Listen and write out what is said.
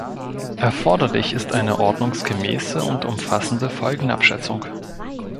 Erforderlich ist eine ordnungsgemäße und umfassende Folgenabschätzung.